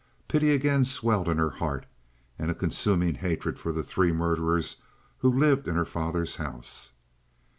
Pity again swelled in her heart, and a consuming hatred for the three murderers who lived in her father's house.